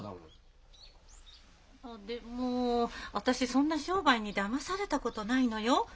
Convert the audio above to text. あっでも私そんな商売にだまされたことないのよ。